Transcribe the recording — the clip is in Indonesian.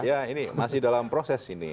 ya ini masih dalam proses ini